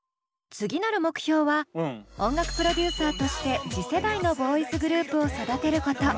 次なる目標は音楽プロデューサーとして次世代のボーイズグループを育てること。